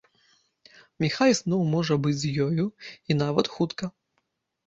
Міхась зноў можа быць з ёю, і нават хутка.